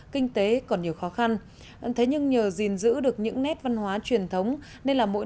kinh tế còn nhiều khó khăn thế nhưng nhờ gìn giữ được những nét văn hóa truyền thống nên là mỗi